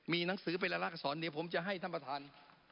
มีหนังสือไปรัดลาศนเดี๋ยวผมจะให้ท่านประธาน